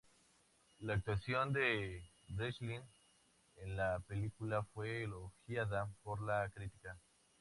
La actuación de Breslin en la película fue elogiada por la crítica.